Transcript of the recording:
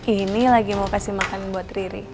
ini lagi mau kasih makan buat riri